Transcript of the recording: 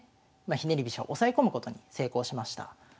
ひねり飛車を押さえ込むことに成功しました。